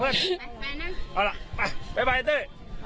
เพื่อนไปละเพื่อน